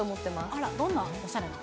あら、どんなおしゃれな？